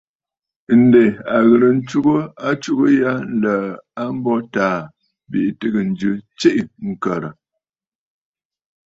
Ǹdè a ghɨ̀rə ntsugə atsugə ya nlə̀ə̀ a mbo Taà bìʼì tɨgə jɨ tsiʼì ŋ̀kə̀rə̀.